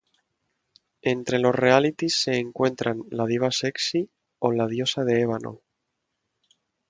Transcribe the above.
Entre los realities se encuentran La Diva Sexy o La Diosa de Ébano.